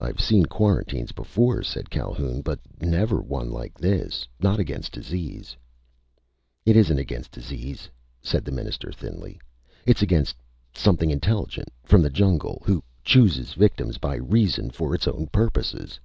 "I've seen quarantines before," said Calhoun, "but never one like this! Not against disease!" "It isn't against disease," said the Minister, thinly. "It's against Something intelligent ... from the jungle ... who chooses victims by reason for its own purposes."